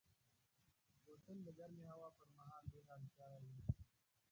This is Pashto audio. بوتل د ګرمې هوا پر مهال ډېره اړتیا وي.